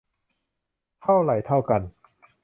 เท่าไหร่เท่ากัน